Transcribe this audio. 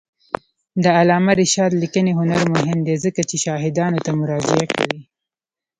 د علامه رشاد لیکنی هنر مهم دی ځکه چې شاهدانو ته مراجعه کوي.